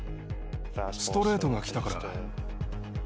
ストレートがきたから。